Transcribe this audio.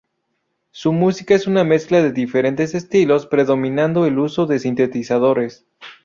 Su música es una mezcla de diferentes estilos, predominando el uso de sintetizadores.